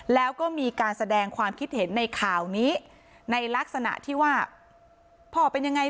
แล้วก็มีการแสดงความคิดเห็นในข่าวนี้ในลักษณะที่ว่าพ่อเป็นยังไง